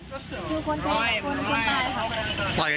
คือคนตายคนตายครับ